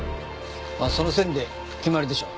その線で決まりでしょう。